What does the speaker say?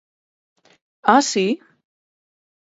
¡Ah!, ¿si?